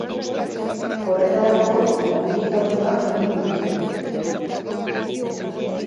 Horretarako, mobilizazioak egin dituzte.